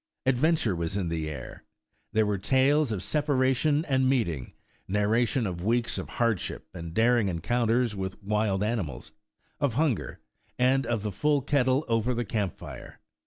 Adventure was in the air. There were tales of separation and meeting ; narration of weeks of hard ship and daring encounters wdth wild animals; of hun ger, and of the full kettle over the camp fire.